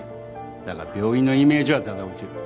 だが病院のイメージはだだ落ちる。